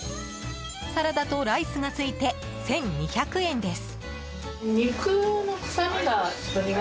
サラダとライスが付いて１２００円です。